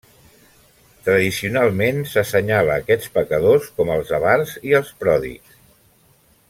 Tradicionalment s'assenyala aquests pecadors com els avars i els pròdigs.